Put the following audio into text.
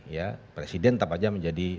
ya presiden tetap aja menjadi